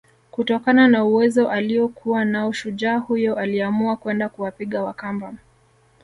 Kutokana na uwezo aliokuwa nao shujaa huyo aliamua kwenda kuwapiga Wakamba